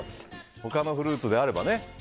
他のフルーツであればね